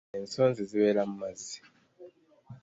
Ensonzi zibeera mu mazzi.